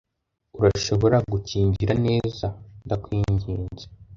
Urashobora kungirira neza ndakwinginze?